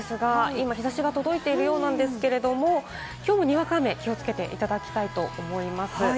今、日差しが届いているようなんですけれども、きょうのにわか雨に気をつけていただきたいと思います。